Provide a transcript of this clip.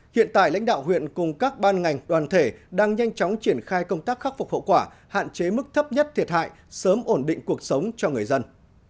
hiện tại lãnh đạo huyện cùng các ban ngành đoàn thể đang nhanh chóng triển khai công tác khắc phục hậu quả hạn chế mức thấp nhất thiệt hại sớm ổn định cuộc sống cho người dân